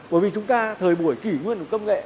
bởi vì chúng ta thời buổi kỷ nguyên của công nghệ